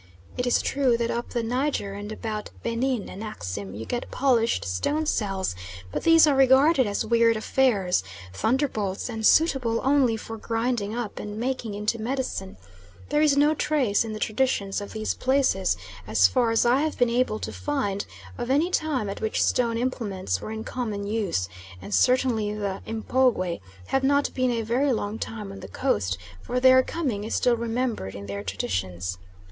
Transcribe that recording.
It is true that up the Niger and about Benin and Axim you get polished stone celts, but these are regarded as weird affairs, thunderbolts and suitable only for grinding up and making into medicine; there is no trace in the traditions of these places, as far as I have been able to find, of any time at which stone implements were in common use, and certainly the M'pongwe have not been a very long time on the coast, for their coming is still remembered in their traditions.